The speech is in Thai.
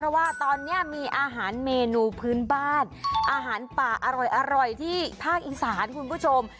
เพราะว่าตอนนี้มีอาหารเมนูพื้นบ้านอาหารป่าอร่อยที่ภาคอีสานคุณผู้ชม